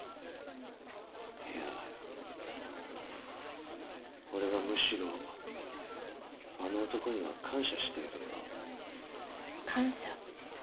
いや俺はむしろあの男には感謝しているよ。感謝？